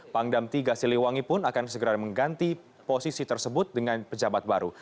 pangdam tiga siliwangi pun akan segera mengganti posisi tersebut dengan pejabat baru